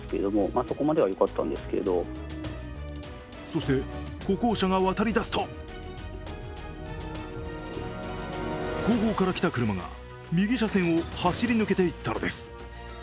そして、歩行者が渡り出すと後方から来た車が右車線を走り抜けていったのです。